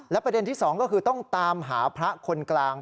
ประเด็นที่๒ก็คือต้องตามหาพระคนกลาง